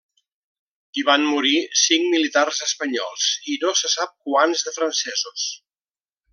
Hi van morir cinc militars espanyols i no se sap quants de francesos.